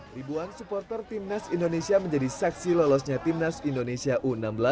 ribuan supporter timnas indonesia menjadi saksi lolosnya timnas indonesia u enam belas